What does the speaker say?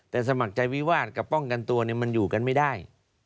แต่สมัครใจวิวาสกับป้องกันตัวมันอยู่กันไม่ได้